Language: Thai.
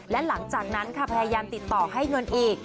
และหลังจากนั้นค่ะพยายามติดต่อให้เงินอีก